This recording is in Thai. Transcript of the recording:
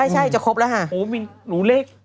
ใช่จะครบแล้วค่ะ